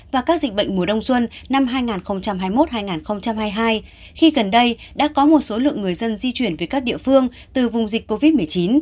và các dịch bệnh mùa đông xuân năm hai nghìn hai mươi một hai nghìn hai mươi hai khi gần đây đã có một số lượng người dân di chuyển về các địa phương từ vùng dịch covid một mươi chín